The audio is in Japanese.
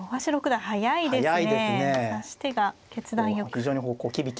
はい。